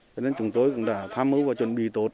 cho nên chúng tôi cũng đã phá mấu và chuẩn bị tốt